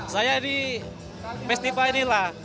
saya di festival inilah